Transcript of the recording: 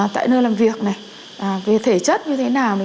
tại nơi làm việc này về thể chất như thế nào